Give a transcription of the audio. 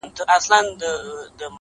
• حقیقت در څخه نه سم پټولای,